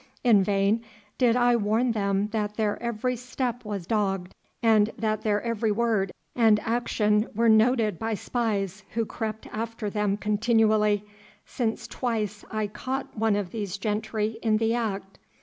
In vain did I warn them that their every step was dogged, and that their every word and action were noted by spies who crept after them continually, since twice I caught one of these gentry in the act.